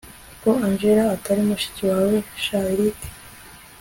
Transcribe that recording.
ko angella atari mushiki wawe sha eric!